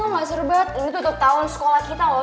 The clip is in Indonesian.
nggak seru banget ini tutup tahun sekolah kita loh